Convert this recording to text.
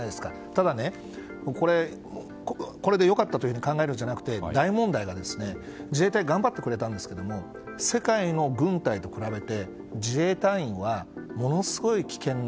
ただ、これで良かったというふうに考えるんじゃなくて、大問題が自衛隊は頑張ってくれたんですが世界の軍隊と比べて自衛隊員はものすごい危険な、